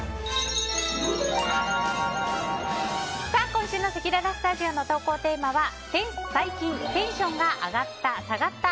今週のせきららスタジオの投稿テーマは最近テンションが上がった＆